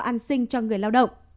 an sinh cho người lao động